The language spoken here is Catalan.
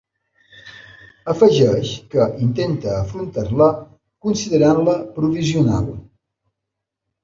Afegeix que intenta afrontar-la considerant-la provisional.